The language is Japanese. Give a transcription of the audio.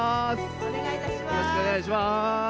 お願いいたします。